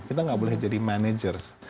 kita nggak boleh jadi manajer